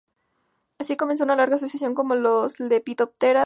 Así comenzó una larga asociación con los Lepidoptera de India"